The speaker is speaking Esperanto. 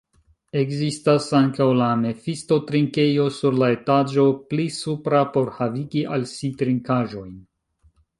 Ekzistas ankaŭ la Mephisto-trinkejo sur la etaĝo pli supra por havigi al si trinkaĵojn.